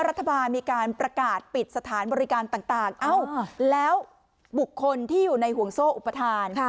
รัฐบาลมีการประกาศปิดสถานบริการต่างแล้วบุคคลที่อยู่ในห่วงโซ่อุปทาน